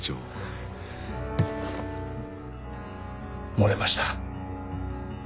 漏れました。